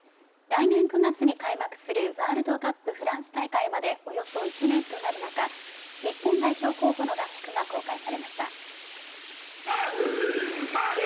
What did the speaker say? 来年９月に開幕するワールドカップフランス大会までおよそ１年となる中、日本代表候補の合宿が公開されました。